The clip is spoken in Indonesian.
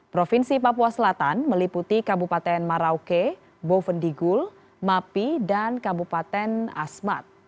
provinsi papua selatan meliputi kabupaten marauke bovendigul mapi dan kabupaten asmat